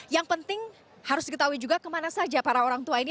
yang penting harus diketahui juga kemana saja para orang tua ini